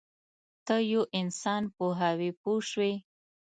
ته یو انسان پوهوې پوه شوې!.